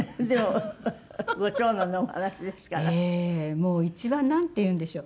もう一番なんていうんでしょう。